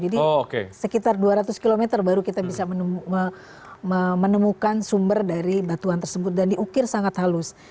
jadi sekitar dua ratus km baru kita bisa menemukan sumber dari batuan tersebut dan diukir sangat halus